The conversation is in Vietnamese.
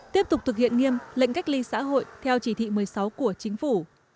tiếp tục thực hiện nghiêm lệnh cách ly xã hội theo chỉ thị một mươi sáu của chính phủ